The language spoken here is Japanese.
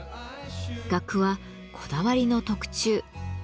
額はこだわりの特注。